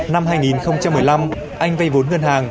năm hai nghìn một mươi năm anh vay vốn ngân hàng